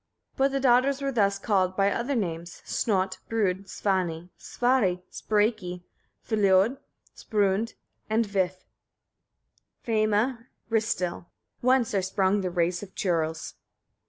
22. But [the daughters] were thus called, by other names: Snot, Brud, Svanni, Svarri, Sprakki, Fliod, Sprund, and Vif, Feima, Ristil; whence are sprung the races of churls.